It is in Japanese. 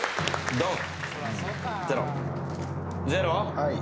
ドン。